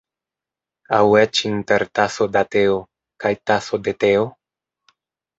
Aŭ eĉ inter ‘taso da teo’ kaj ‘taso de teo’?